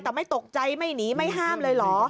แต่ไม่ตกใจไม่หนีไม่ห้ามเลยเหรอ